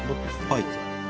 はい。